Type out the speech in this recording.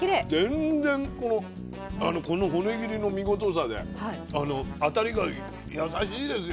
全然この骨切りの見事さで当たりが優しいですよ。